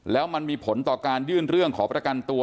แล้วมันมีผลต่อการยื่นเรื่องขอประกันตัว